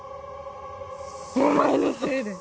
お前のせいで！